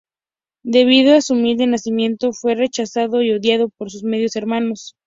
Debido a su humilde nacimiento, fue rechazado y odiado por sus medios hermanos.